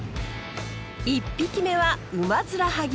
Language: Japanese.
１匹目はウマヅラハギ。